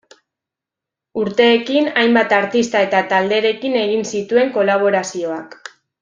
Urteekin, hainbat artista eta talderekin egin zituen kolaborazioak.